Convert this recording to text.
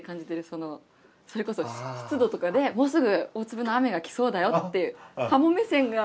そのそれこそ湿度とかでもうすぐ大粒の雨が来そうだよっていう鱧目線の。